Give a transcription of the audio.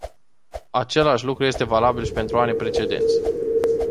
Același lucru este valabil și pentru anii precedenți.